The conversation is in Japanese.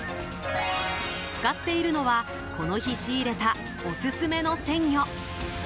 使っているのはこの日、仕入れたオススメの鮮魚。